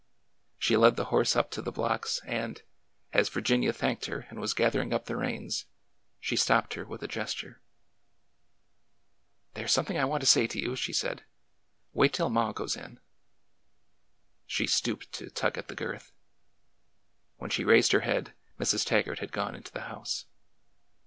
She led the horse up to the blocks, and, as Virginia thanked her and was gathering up the reins, she stopped her with a gesture. 220 ORDER NO. 11 There 's something I want to say to you," she saidc Wait till maw goes in." She stooped to tug at the girth. When she raised her head, Mrs, Taggart had gone into the house.